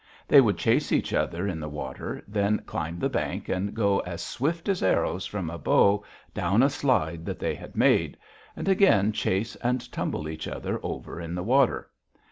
They would chase each other in the water, then climb the bank and go as swift as arrows from a bow down a slide that they had made, and again chase and tumble each other over in the water.